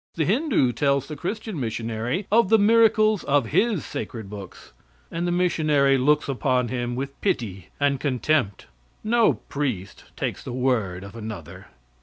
The Hindoo tells the Christian missionary of the miracles of his sacred books; and the missionary looks upon him with pity and contempt. No priest takes the word of another.